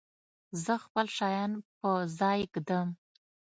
زه خپل شیان په ځای ږدم.